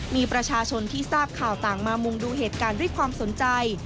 มีประชาชนที่ทราบข่าวต่างมามุงดูเหตุการณ์ด้วยความสนใจ